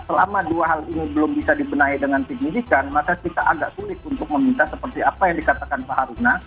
selama dua hal ini belum bisa dibenahi dengan signifikan maka kita agak sulit untuk meminta seperti apa yang dikatakan pak haruna